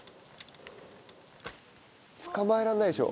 捕まえらんないでしょ。